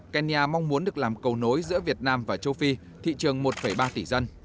kenya mong muốn được làm cầu nối giữa việt nam và châu phi thị trường một ba tỷ dân